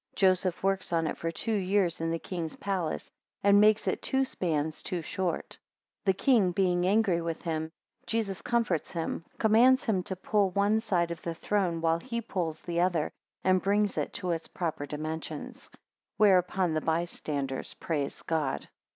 6 Joseph works on it for two years in the king's palace, and makes it two spans too short. The king being angry with him, 10 Jesus comforts him, 13 commands him to pull one side of the throne, while he pulls the other, and brings it to its proper dimensions. 14 Whereupon the bystanders praise God.